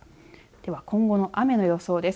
では今後の雨の予想です。